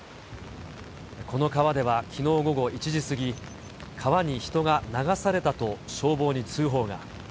この川ではきのう午後１時過ぎ、川に人が流されたと消防に通報が。